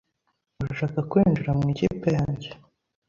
Urashaka kwinjira mu ikipe yanjye?